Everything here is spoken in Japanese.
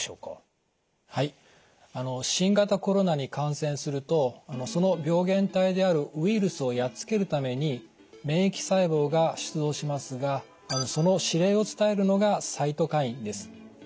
新型コロナに感染するとその病原体であるウイルスをやっつけるために免疫細胞が出動しますがその司令を伝えるのがサイトカインです。